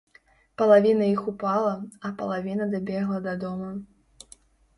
Палавіна іх упала, а палавіна дабегла да дома.